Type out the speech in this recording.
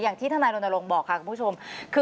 อย่างที่ท่านายลงบอกค่ะคุณผู้ชม